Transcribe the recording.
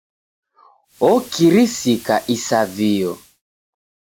Okirisika isavio.